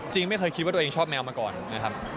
ไม่เคยคิดว่าตัวเองชอบแมวมาก่อนนะครับ